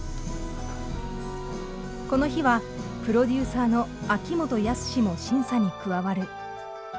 この日はプロデューサーの秋元康も審査に加わる。